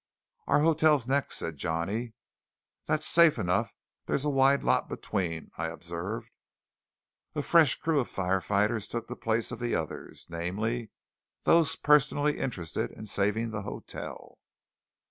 "Our hotel next," said Johnny. "That's safe enough; there's a wide lot between," I observed. A fresh crew of firefighters took the place of the others namely, those personally interested in saving the hotel.